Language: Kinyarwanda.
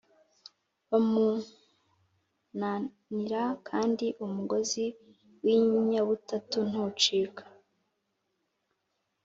Bamunanira kandi umugozi w inyabutatu ntucika